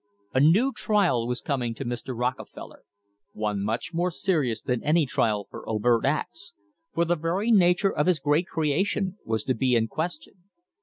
A new trial was coming to Mr. Rockefeller, one much more serious than any trial for overt acts, for the very nature of his great creation was to be in question.